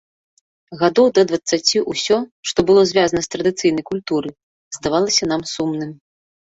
Гадоў да дваццаці ўсё, што было звязана з традыцыйнай культурай, здавалася нам сумным.